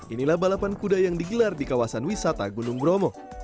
inilah balapan kuda yang digelar di kawasan wisata gunung bromo